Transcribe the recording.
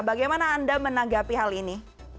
bagaimana anda menanggapi hal ini